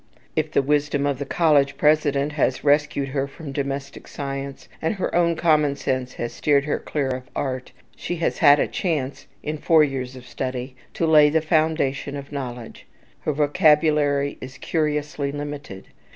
If the wisdom of the college president has rescued her from domestic science, and her own common sense has steered her clear of art, she has had a chance, in four years of study, to lay the foundation of knowledge. Her vocabulary is curiously limited.